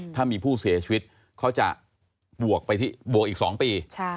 ถ้ามีผู้เสียชีวิตเขาจะบวกอีก๒ปี